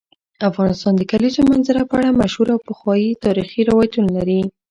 افغانستان د کلیزو منظره په اړه مشهور او پخواي تاریخی روایتونه لري.